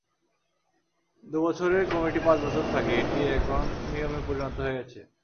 দুবছরের committee পাঁচ বছর থাকে, এটি এখন নিয়মে পরিণত হয়ে গেছে।